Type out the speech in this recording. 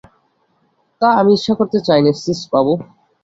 তা, আমি ঈর্ষা করতে চাই নে শ্রীশবাবু!